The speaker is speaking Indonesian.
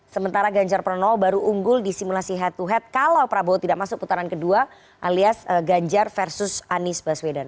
sementara ganjar pranowo baru unggul di simulasi head to head kalau prabowo tidak masuk putaran kedua alias ganjar versus anies baswedan